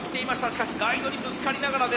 しかしガイドにぶつかりながらです。